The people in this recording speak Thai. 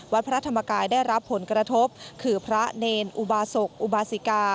วัดพระธรรมกายได้รับผลกระทบคือพระเนรอุบาศกอุบาสิกา